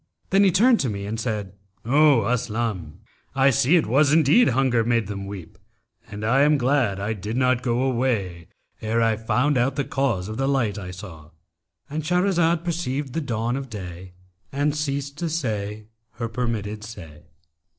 Then he turned to me and said, 'O Aslam, I see it was indeed hunger made them weep; and I am glad I did not go away ere I found out the cause of the light I saw.'—And Shahrazad per ceived the dawn of day and ceased to say her permitted say.